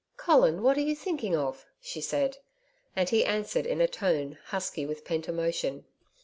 'Colin, what are you thinking of?' she said, and he answered in a tone, husky with pent emotion.